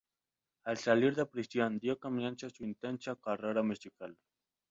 Al salir de prisión dio comienzo su intensa carrera musical.